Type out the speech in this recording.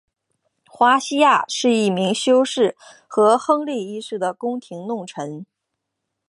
华西亚是一名修士和亨利一世的宫廷弄臣。